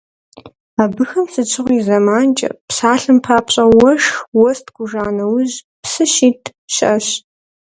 Абыхэм сыт щыгъуи зэманкӀэ, псалъэм папщӀэ, уэшх, уэс ткӀуж а нэужь псы щит щыӀэщ.